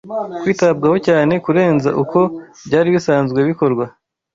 kwitabwaho cyane kurenza uko byari bisanzwe bikorwa.